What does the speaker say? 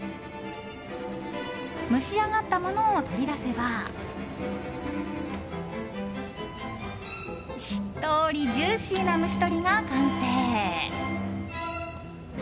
蒸し上がったものを取り出せばしっとりジューシーな蒸し鶏が完成！